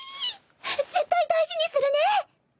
絶対大事にするね。